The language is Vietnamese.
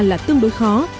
là tương đối khó